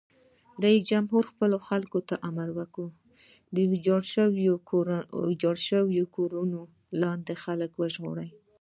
رئیس جمهور خپلو عسکرو ته امر وکړ؛ د ویجاړو شویو کورونو لاندې خلک وژغورئ!